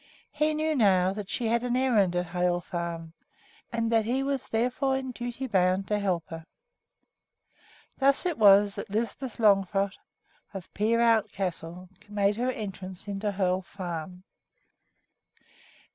He knew now that she had an errand at Hoel Farm, and that he was therefore in duty bound to help her. Thus it was that Lisbeth Longfrock of Peerout Castle made her entrance into Hoel Farm.